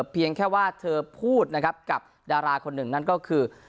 เพียงแค่ว่าเธอพูดนะครับกับดาราคนหนึ่งนั่นก็คือ